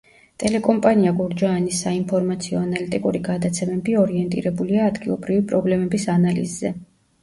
ტელეკომპანია „გურჯაანის“ საინფორმაციო-ანალიტიკური გადაცემები ორიენტირებულია ადგილობრივი პრობლემების ანალიზზე.